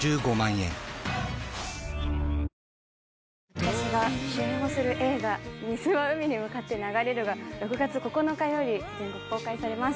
私が主演をする映画『水は海に向かって流れる』が６月９日より全国公開されます。